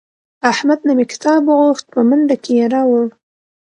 احمد نه مې کتاب وغوښت په منډه کې یې راوړ.